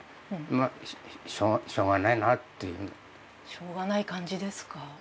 しょうがない感じですか。